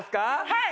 はい！